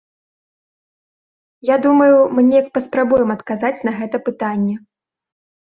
Я думаю, мы неяк паспрабуем адказаць на гэта пытанне.